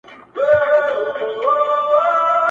تور خلوته مخ دي تور سه، تور ویښته مي درته سپین کړل!!